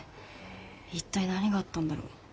一体何があったんだろ？